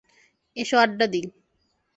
এসো, আড্ডা দিই।